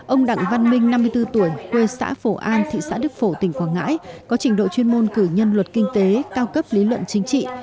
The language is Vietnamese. ông đặng văn minh năm mươi bốn tuổi quê xã phổ an thị xã đức phổ tỉnh quảng ngãi có trình độ chuyên môn cử nhân luật kinh tế cao cấp lý luận chính trị